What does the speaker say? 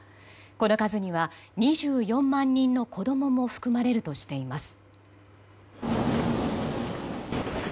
この数には２４万人の子供も含まれるとしています。